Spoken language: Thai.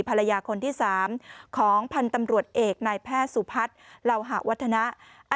ภรรยาคนที่๓ของพันธุ์ตำรวจเอกนายแพทย์สุพัฒน์เหล่าหะวัฒนะ